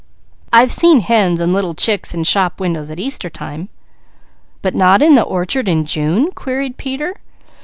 I've seen hens and little chickens in shop windows at Easter time " "But not in the orchard in June?" queried Peter.